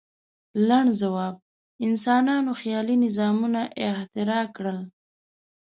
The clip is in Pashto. لنډ ځواب: انسانانو خیالي نظمونه اختراع کړل.